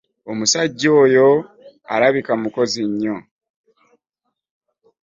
Omusajja oyo alabika mukozi nnyo.